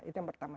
itu yang pertama